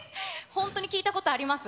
本当に聴いたことあります？